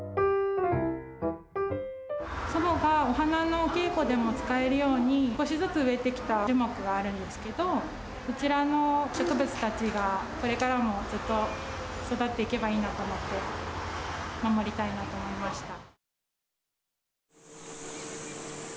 祖母がお花のお稽古でも使えるように、少しずつ植えてきた樹木があるんですけど、そちらの植物たちが、これからもずっと育っていけばいいなと思って、守りたいなと思いました。